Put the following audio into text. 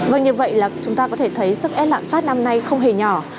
vâng như vậy là chúng ta có thể thấy sức ép lãm pháp năm nay không hề nhỏ